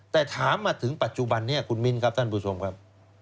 แต่ถามมาถึงปัจจุบันนี้คุณมิ้นครับท่านผู้ชมครับ